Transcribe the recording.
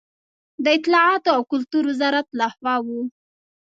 د اطلاعاتو او کلتور وزارت له خوا و.